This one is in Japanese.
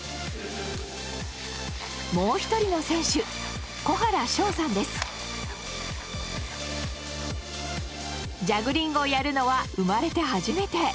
もう１人の選手ジャグリングをやるのは生まれて初めて。